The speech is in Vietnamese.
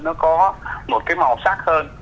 nó có một cái màu sắc hơn